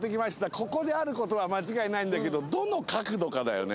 ここである事は間違いないんだけどどの角度かだよね。